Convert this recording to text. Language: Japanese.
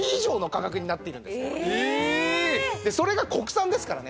それが国産ですからね。